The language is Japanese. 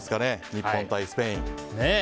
日本対スペイン。